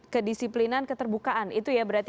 kedisiplinan keterbukaan itu ya berarti